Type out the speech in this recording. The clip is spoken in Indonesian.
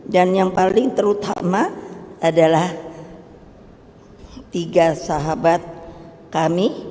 dan yang paling terutama adalah tiga sahabat kami